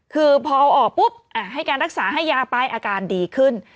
คือพอเอาออกปุ๊บให้การรักษาให้ยาไปอาการดีขึ้น